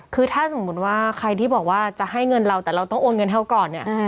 คือถ้าสมมุติว่าใครที่บอกว่าจะให้เงินเราแต่เราต้องโอนเงินให้เขาก่อนเนี่ย